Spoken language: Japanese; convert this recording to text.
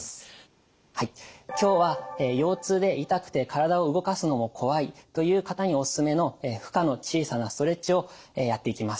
今日は腰痛で痛くて体を動かすのも怖いという方におすすめの負荷の小さなストレッチをやっていきます。